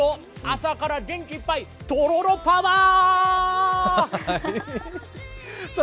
朝から元気いっぱいとろろパワー！